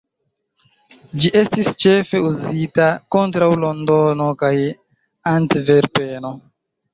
Ĝi estis ĉefe uzita kontraŭ Londono kaj Antverpeno.